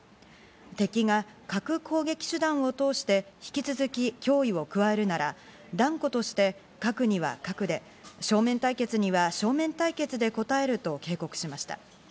敵が核攻撃手段を通して引き続き脅威を加えるなら断固として核には核で、正面対決には正面対決で答えると警告しました。